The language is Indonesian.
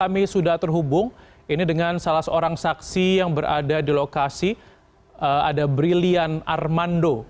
kami sudah terhubung ini dengan salah seorang saksi yang berada di lokasi ada brilian armando